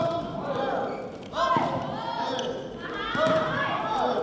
สุดท้ายสุดท้ายสุดท้าย